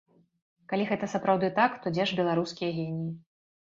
Калі гэта сапраўды так, то дзе ж беларускія геніі?